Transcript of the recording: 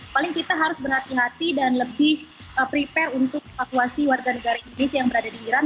paling kita harus berhati hati dan lebih prepare untuk evakuasi warga negara indonesia yang berada di iran